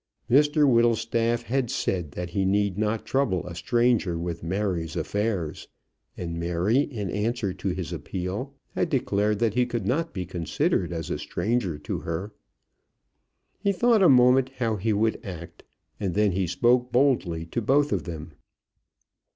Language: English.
Mr Whittlestaff had said that he need not trouble a stranger with Mary's affairs; and Mary, in answer to his appeal, had declared that he could not be considered as a stranger to her. He thought a moment how he would act, and then he spoke boldly to both of them.